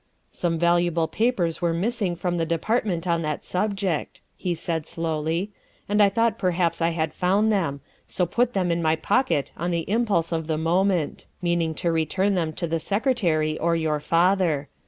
''" Some valuable papers were missing from the De partment on that subject," he said slowly, " and I thought perhaps I had found them, so put them in my pocket on the impulse of the moment, meaning to return them to the Secretary or your father.